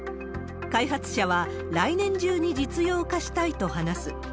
開発者は来年中に実用化したいと話す。